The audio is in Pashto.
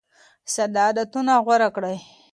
ساده عادتونه غوره کړه.